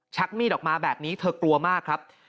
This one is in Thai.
มีดออกมาแบบนี้เธอกลัวมากครับ